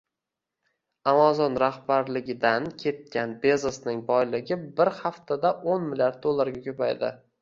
Amazon rahbarligidan ketgan Bezosning boyligi bir haftadao'nmlrd dollarga ko‘paydi